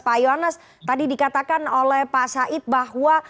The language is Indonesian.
pak yones tadi dikatakan oleh pak said bahwa